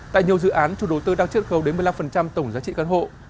tại nhiều dự án chủ đầu tư đang triết khấu đến một mươi năm tổng giá trị căn hộ